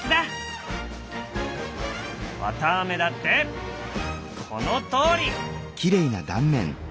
わたあめだってこのとおり！